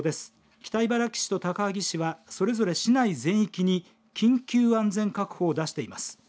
北茨城市と高萩市はそれぞれ市内全域に緊急安全確保を出しています。